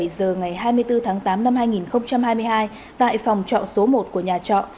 một mươi giờ ngày hai mươi bốn tháng tám năm hai nghìn hai mươi hai tại phòng trọ số một của nhà trọ